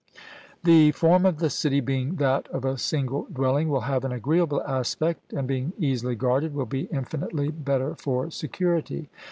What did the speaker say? The form of the city being that of a single dwelling will have an agreeable aspect, and being easily guarded will be infinitely better for security.